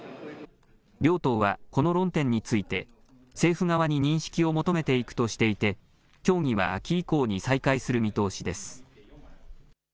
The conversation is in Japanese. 両党はこの論点について政府側に認識を求めていくとしていて協議は秋以降に再開する見通しです。